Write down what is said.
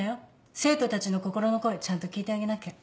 生徒たちの心の声ちゃんと聴いてあげなきゃ。